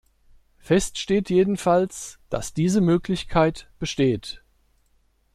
Fest steht jedenfalls, dass diese Möglichkeit besteht.